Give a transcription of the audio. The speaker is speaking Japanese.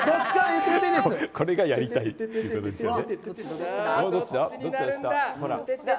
これがやりたいってことですよね。